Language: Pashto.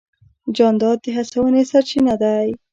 جانداد د هڅونې سرچینه دی.